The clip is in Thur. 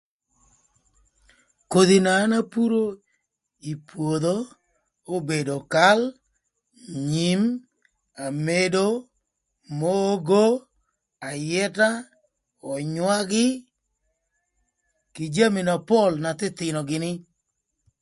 Kodhi na an apuro ï pwodho, obedo kal nyim, amedo, omogo, ayëta, önywagï kï jami na pol na thïthïnö gïnï.